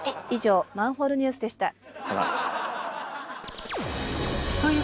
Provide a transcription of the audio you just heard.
以上「マンホールＮＥＷＳ」でした。